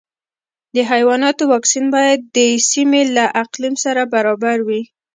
د حیواناتو واکسین باید د سیمې له اقلیم سره برابر وي.